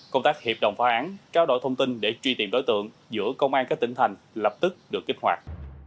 công tác hiệp đồng phá án trao đổi thông tin để truy tìm đối tượng giữa công an các tỉnh thành lập tức được kích hoạt